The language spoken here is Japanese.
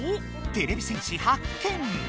てれび戦士発見。